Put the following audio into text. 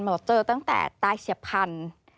หนูเจอตั้งแต่ตายเฉียบพันธุ์